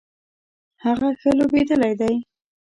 هغه ښه لوبیدلی دی